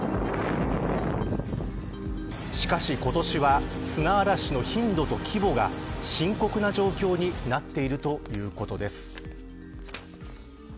しかし今年は砂嵐の頻度と規模が深刻な状況になっているということです。